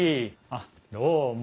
あっどうも。